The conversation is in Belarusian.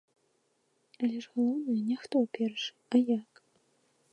Але ж галоўнае, не хто першы, а як.